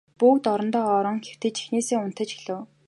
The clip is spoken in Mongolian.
Бүгд орондоо орон хэвтэж эхнээсээ унтаж эхлэв.